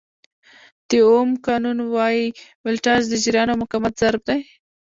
د اوم قانون وایي ولټاژ د جریان او مقاومت ضرب دی.